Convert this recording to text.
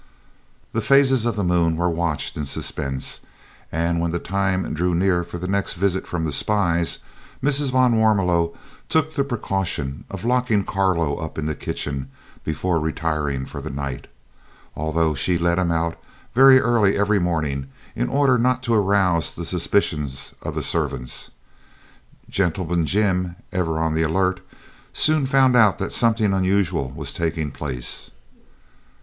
The phases of the moon were watched in suspense, and when the time drew near for the next visit from the spies, Mrs. van Warmelo took the precaution of locking Carlo up in the kitchen before retiring for the night. Although she let him out very early every morning in order not to arouse the suspicions of the servants, "Gentleman Jim," ever on the alert, soon found out that something unusual was taking place.